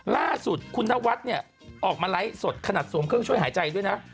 ล่าสุดคุณนวัดเนี่ยออกมาไลฟ์สดขนาดสวมเครื่องช่วยหายใจด้วยนะ